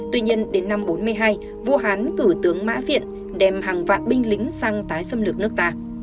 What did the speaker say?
tuy nhiên đến năm một nghìn chín trăm bốn mươi hai vua hán cử tướng mã viện đem hàng vạn binh lính sang tái xâm lược nước ta